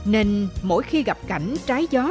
nên mỗi khi gặp cảnh trái gió